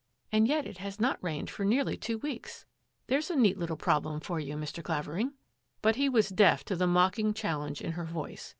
"And yet it has not rained for nearly two weeks ! There's a neat little problem for you, Mr. Clavering." But he was deaf to the mocking challenge in her voice.